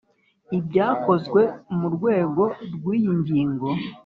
ibyakozwe mu rwego rw’iyi ngingo